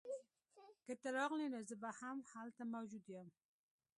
که ته راغلې نو زه به هم هلته موجود یم